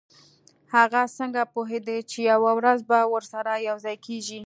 هغه څنګه پوهیده چې یوه ورځ به ورسره یوځای کیږي